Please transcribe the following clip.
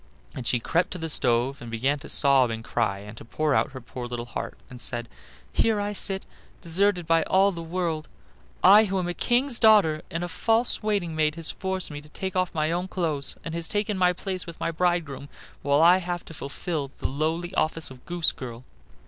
Then she crept to the stove, and began to sob and cry and to pour out her poor little heart, and said: "Here I sit, deserted by all the world, I who am a king's daughter, and a false waiting maid has forced me to take off my own clothes, and has taken my place with my bridegroom, while I have to fulfill the lowly office of goose girl.